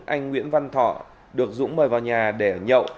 anh nguyễn văn thọ được dũng mời vào nhà để nhậu